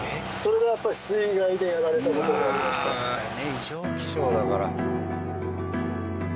異常気象だから。